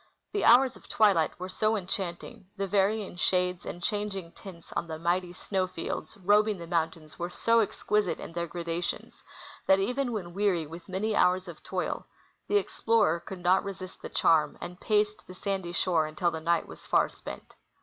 The hours of twilight were so enchanting, the varying shades and changing tints on the mighty snow fields robing the moun tains w^ere so exquisite in their gradations that, even when weary with many hours of toil, the explorer could not resist the charm, and paced the sandy shore until the night was far spent.